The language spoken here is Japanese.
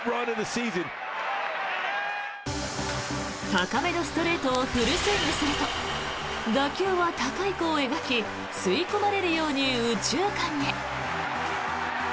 高めのストレートをフルスイングすると打球は高い弧を描き吸い込まれるように右中間へ。